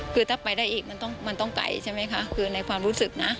คือถ้าไปได้อีกมันต้องไกลใช่ไหมคะคือในความรู้สึกนะ